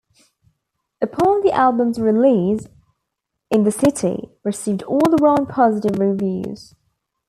Upon the album's release, "In the City" received all-round positive reviews.